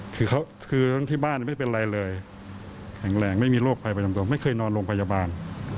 คือที่บ้านไม่เป็นไรเลยแข็งแรงไม่มีโรคภัยประจำตัวไม่เคยนอนโรงพยาบาล